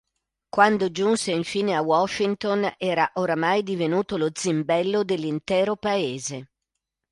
Quando giunse infine a Washington era oramai divenuto lo zimbello dell'intero paese.